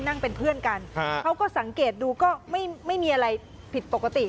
นั่งเป็นเพื่อนกันเขาก็สังเกตดูก็ไม่มีอะไรผิดปกติ